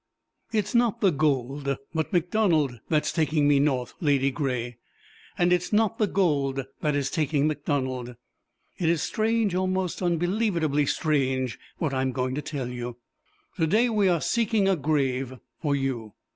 "It's not the gold, but MacDonald, that's taking me north, Ladygray. And it's not the gold that is taking MacDonald. It is strange, almost unbelievedly strange what I am going to tell you. To day we are seeking a grave for you.